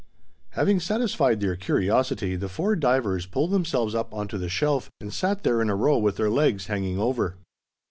Having satisfied their curiosity, the four divers pulled themselves up onto the shelf, and sat there in a row with their legs hanging over.